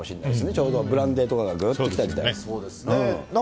ちょうどブランデーとかがぐっときた時代。